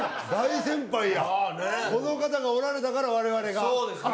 この方がおられたから我々がそうですね